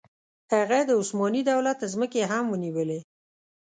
هغه د عثماني دولت ځمکې هم ونیولې.